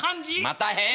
待たへん。